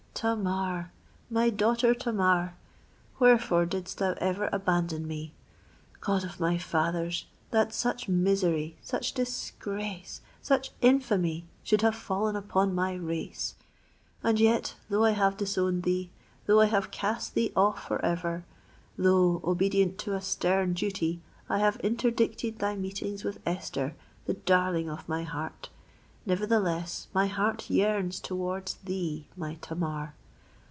Tamar—my daughter Tamar! wherefore didst thou ever abandon me? God of my fathers! that such misery—such disgrace—such infamy should have fallen upon my race! And yet—though I have disowned thee—though I have cast thee off for ever—though, obedient to a stern duty, I have interdicted thy meetings with Esther, the darling of my heart,—nevertheless, my heart yearns towards thee, my Tamar!